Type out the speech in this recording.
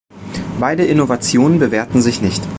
Beide Innovationen bewährten sich nicht.